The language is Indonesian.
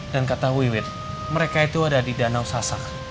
dan kata wiwit mereka itu ada di danau sasak